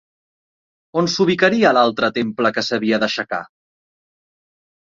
On s'ubicaria l'altre temple que s'havia d'aixecar?